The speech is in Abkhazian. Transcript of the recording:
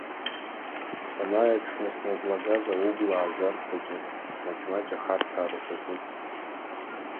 Санааи аҽны сназлагаз аублаа жәар хәыҷы, маҷ-маҷ ахарҭәаара саҿуп.